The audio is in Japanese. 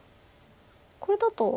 これだと。